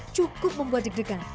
cukup membuat dig dig dig